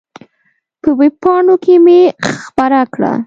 په وېب پاڼو کې مې خپره کړه.